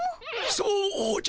そうじゃ。